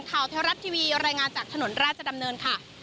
ข่าวเทวรัตน์ทีวีรายงานจากถนนราชดำเนิน